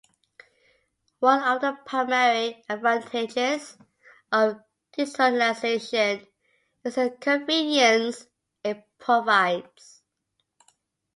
One of the primary advantages of digitalization is the convenience it provides.